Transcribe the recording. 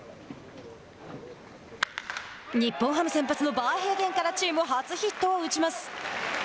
日本ハム先発のバーヘイゲンからチーム初ヒットを打ちます。